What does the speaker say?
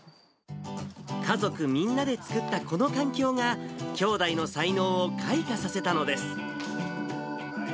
家族みんなで作ったこの環境が、兄弟の才能を開花させたのです。